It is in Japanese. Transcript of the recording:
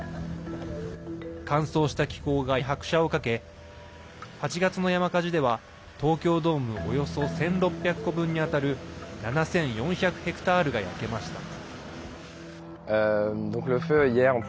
乾燥した気候が拍車をかけ８月の山火事では東京ドームおよそ１６００個分にあたる７４００ヘクタールが焼けました。